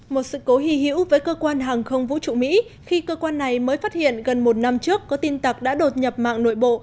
một sự cố hì hữu với cơ quan hàng không vũ trụ mỹ khi cơ quan này mới phát hiện gần một năm trước có tin tặc đã đột nhập mạng nội bộ